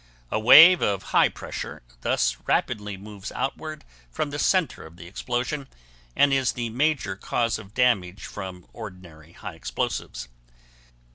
A wave of high pressure thus rapidly moves outward from the center of the explosion and is the major cause of damage from ordinary high explosives.